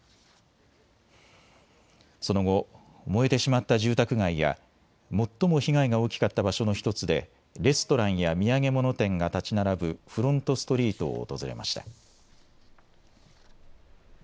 その後、燃えてしまった住宅街や最も被害が大きかった場所の１つでレストランや土産物店が建ち並ぶフロントストリートを訪れました。